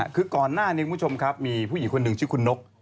คือก่อนหน้านี้คุณผู้ชมครับมีผู้หญิงคนหนึ่งชื่อคุณนก